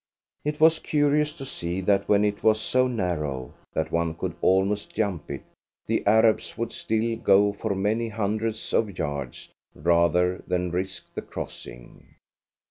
It was curious to see that when it was so narrow that one could almost jump it, the Arabs would still go for many hundreds of yards rather than risk the crossing.